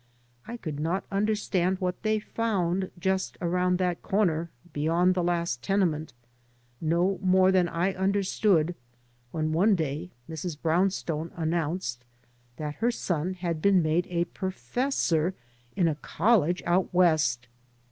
I could not understand what they found just around that corner beyond the last tenement, no more than I understood when one day Mrs. Brownstone announced that her son had been made a pro fessor io a college out west.